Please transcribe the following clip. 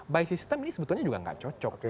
by system ini sebetulnya juga nggak cocok